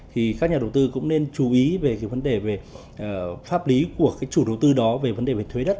thì các nhà đầu tư cũng nên chú ý về cái vấn đề về pháp lý của cái chủ đầu tư đó về vấn đề về thuế đất